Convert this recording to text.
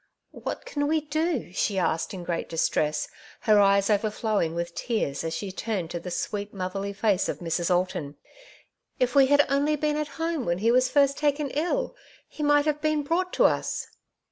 '' What can we do ?'' she asked in great distress, her eyes overflowing with tears as she turned to the sweet motherly face of Mrs. Alton. " K we had only been at home when he was first taken ill, he might have been brought to us.''